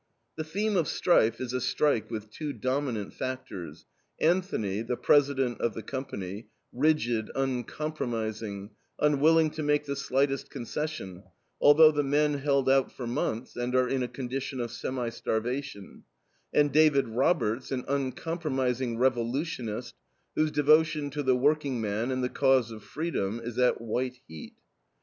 The theme of STRIFE is a strike with two dominant factors: Anthony, the president of the company, rigid, uncompromising, unwilling to make the slightest concession, although the men held out for months and are in a condition of semi starvation; and David Roberts, an uncompromising revolutionist, whose devotion to the workingman and the cause of freedom is at white heat.